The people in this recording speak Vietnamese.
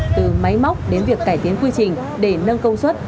từ máy móc đến việc cải tiến quy trình để nâng công suất